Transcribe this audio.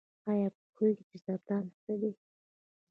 ایا پوهیږئ چې سرطان څه دی؟